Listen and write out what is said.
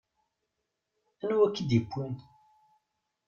Anwa i k-id-iwwin?